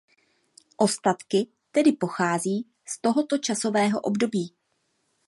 Ostatky tedy pochází z tohoto časového období.